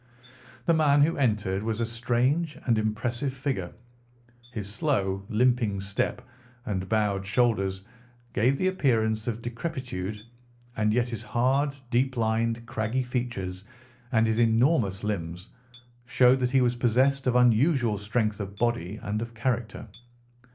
The man who entered was a strange and impressive figure. His slow, limping step and bowed shoulders gave the appearance of decrepitude, and yet his hard, deep lined, craggy features, and his enormous limbs showed that he was possessed of unusual strength of body and of character.